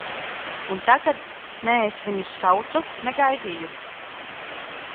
Un tagad, ne es viņus saucu, ne gaidīju.